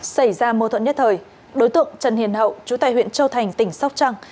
xảy ra mô thuận nhất thời đối tượng trần hiền hậu chủ tài huyện châu thành tỉnh sóc trăng